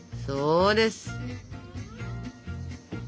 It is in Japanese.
そうです！